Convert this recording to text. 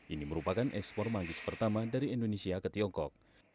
ini merupakan ekspor manggis pertama dari indonesia ke tiongkok